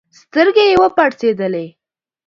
سترګي یې وپړسېدلې